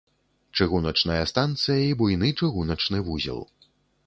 Чыгуначная станцыя і буйны чыгуначны вузел.